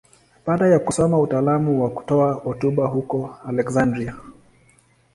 Baada ya kusoma utaalamu wa kutoa hotuba huko Aleksandria.